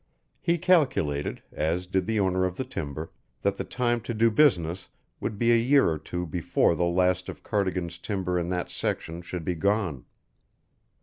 He calculated, as did the owner of the timber, that the time to do business would be a year or two before the last of Cardigan's timber in that section should be gone.